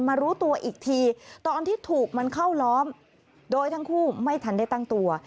รู้ตัวอีกทีตอนที่ถูกมันเข้าล้อมโดยทั้งคู่ไม่ทันได้ตั้งตัว